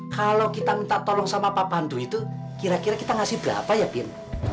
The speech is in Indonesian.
kalau kita minta tolong sama pak pandu itu kira kira kita ngasih berapa ya bin